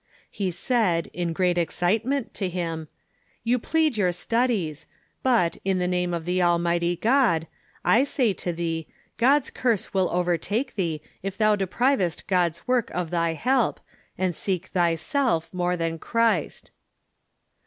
He said, in great excitement, to him: "You plead your studies. But, in the name of the Almighty God, I say to thee, God's curse will overtake thee if thou deprivest God's work of thy help, and seek thyself more than Christ